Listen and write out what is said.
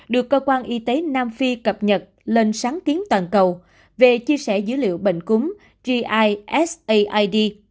được cơ quan y tế nam phi cập nhật lên sáng kiến toàn cầu về chia sẻ dữ liệu bệnh cúm gisad